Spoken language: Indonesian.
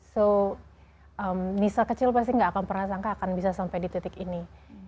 so nisa kecil pasti gak akan pernah sangka akan bisa sampai di titik ini